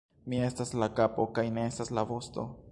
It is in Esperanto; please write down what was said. Mi estas la kapo, kaj ne estas la vosto!